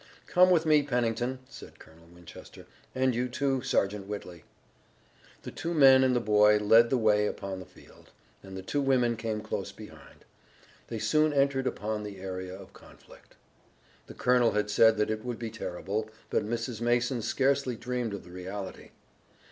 "Come with me, Pennington," said Colonel Winchester, "and you, too, Sergeant Whitley." The two men and the boy led the way upon the field, and the two women came close behind. They soon entered upon the area of conflict. The colonel had said that it would be terrible, but Mrs. Mason scarcely dreamed of the reality.